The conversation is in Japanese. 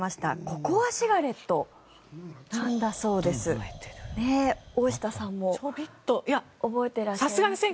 ココアシガレットなんだそうです大下さんも覚えていらっしゃいますか？